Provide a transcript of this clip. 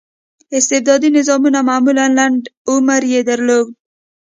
استبدادي نظامونه معمولا لنډ عمر یې درلود.